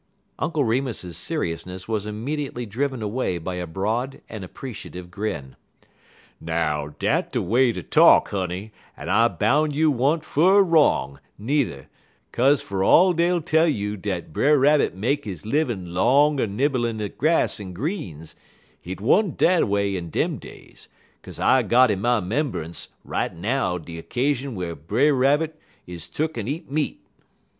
Uncle Remus's seriousness was immediately driven away by a broad and appreciative grin. "Now, dat de way ter talk, honey, en I boun' you wa'n't fur wrong, n'er, 'kaze fer all dey'll tell you dat Brer Rabbit make he livin' 'long er nibblin' at grass en greens, hit 't wa'n't dat a way in dem days, 'kaze I got in my 'membunce right now de 'casion whar Brer Rabbit is tuck'n e't meat."